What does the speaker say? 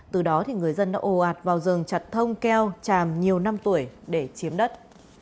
từ đó người dân đã ồ ạt vào rừng chặt thông keo tràm nhiều năm tuổi để chiếm đất